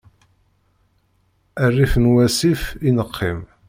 Rrif n wasif i neqqim.